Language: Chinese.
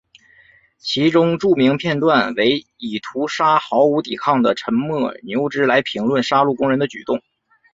其中著名片段为以屠杀毫无抵抗的沉默牛只来评论杀戮工人的举动。